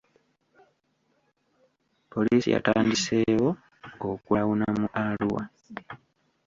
Poliisi yatandiseewo okulawuna mu Arua.